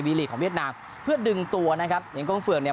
ลีกของเวียดนามเพื่อดึงตัวนะครับอย่างก้งเฟืองเนี่ย